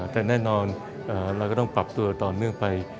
แต่แน่นอนเราก็ต้องปรับตัวต่อเนื่องไป